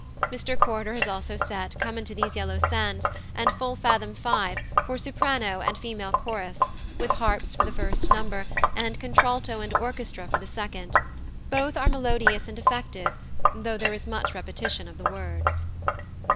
Mr Corder has also set "Come unto these yellow sands" and "Full fathom five" for soprano and female chorus, with harps for the first number, and contralto and orchestra for the second; both are melodious and effective, though there is much repetition of the words.